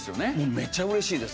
めっちゃ嬉しいです。